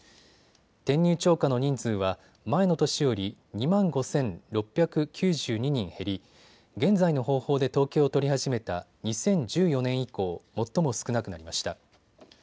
転入超過の人数は前の年より２万５６９２人減り、現在の方法で統計を取り始めた２０１４年以降、最も少なくなりました。